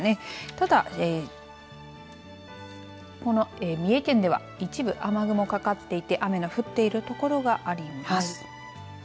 ただ三重県では一部雨雲かかっていて雨の降っているところがあります。